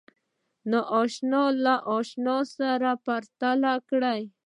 ناآشنا له آشنا سره پرتله کړئ